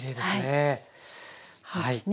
はいそうですね。